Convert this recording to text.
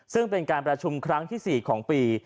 ซึ่งเป็นการประชุมครั้งที่๔ของปี